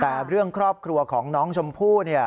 แต่เรื่องครอบครัวของน้องชมพู่